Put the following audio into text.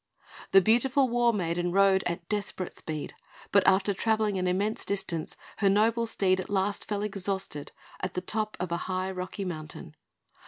The beautiful war maiden rode at desperate speed; but, after travelling an immense distance, her noble steed at last fell exhausted at the top of a high rocky mountain.